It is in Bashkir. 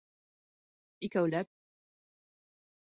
Икәүләп.